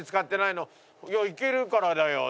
「いや行けるからだよ」